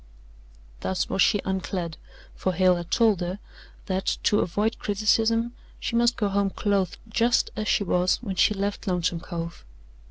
Thus was she unclad, for Hale had told her that, to avoid criticism, she must go home clothed just as she was when she left Lonesome Cove.